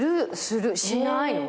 しないの？